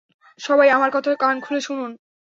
সবাই আমার কথা কান খুলে শুনুন!